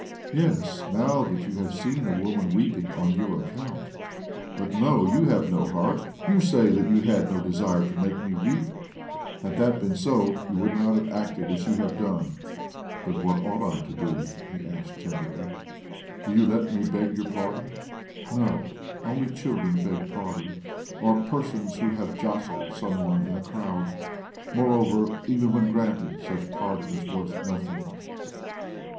" Yes — now that you have seen a woman weeping on your account. But no ; you have no heart. You say that you had no desire to make me weep. Had that been so, you would not have acted as you have done." " Then what ought I to do ?" he asked tenderly. " Will you let me beg your pardon? "" No ; only children beg pardon, or per sons who have jostled some one in a crowd. Moreover, even when granted, such pardon is worth nothing."